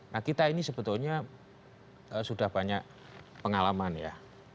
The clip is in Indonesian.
nah kita ini sebetulnya sudah banyak pengalaman ya